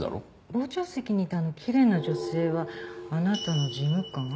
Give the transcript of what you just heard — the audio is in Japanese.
傍聴席にいたあのきれいな女性はあなたの事務官？